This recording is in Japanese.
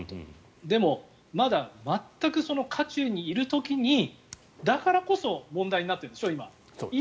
でもまだ全く渦中にいる時にだからこそ問題になっているんでしょ、今。